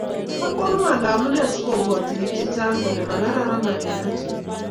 Akwonge ale amunee sikobwoti biik che chang kole makararan paket netuii